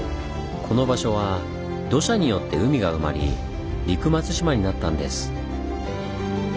この場所は土砂によって海が埋まり「陸松島」になったんです。